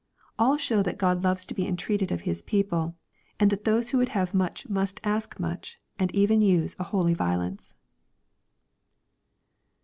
All show that God loves to be entreated of His people, and that those who would have much must ask much, and even use a holy violence.